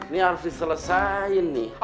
ini harus diselesain nih